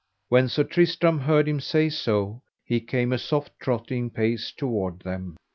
When Sir Tristram heard him say so he came a soft trotting pace toward them.